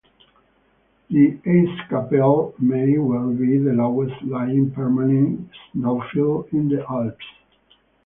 The "Eiskapelle" may well be the lowest lying permanent snowfield in the Alps.